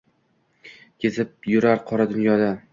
Kezib yurar qora dunyoda